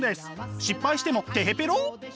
失敗してもてへぺろ！